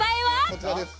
こちらです。